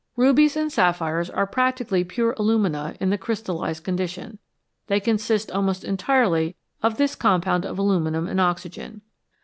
Rubies and sapphires are practically pure alumina in the crystallised condition ; they consist almost entirely of this compound of aluminium and oxygen.